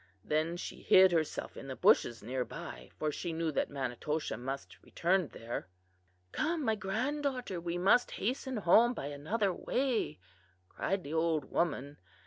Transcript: Then she hid herself in the bushes near by, for she knew that Manitoshaw must return there. "'Come, my granddaughter, we must hasten home by another way,' cried the old woman.